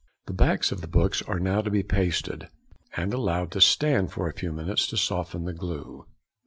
The backs of the books are now to be pasted, and allowed to stand for a few minutes to soften the glue.